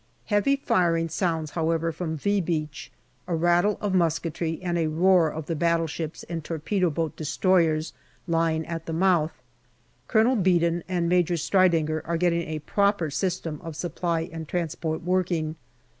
Heavy firing sounds, however, from " V " Beach, a rattle of musketry and a roar of the battleships and torpedo boat destroyers lying at the mouth. Colonel Beadon and Major Striedinger are getting a proper system of supply and transport working.